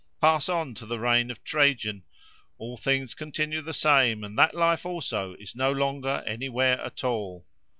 Pass on to the reign of Trajan: all things continue the same: and that life also is no longer anywhere at all.